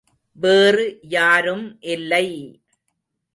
வேறு யாரும் இல்லை!